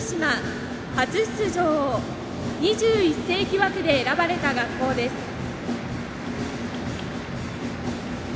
２１世紀枠で選ばれた学校です。